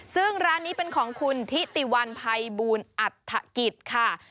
ซึ่งร้านนี้เป็นของคุณทิติวันภัยบูลอัฐกิจค่ะ